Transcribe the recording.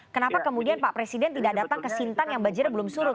kenapa kemudian pak presiden tidak datang ke sintang yang banjirnya belum surut